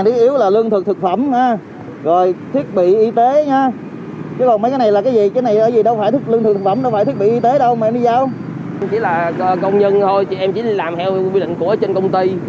tôi là công nhân thôi em chỉ làm theo quy định của họ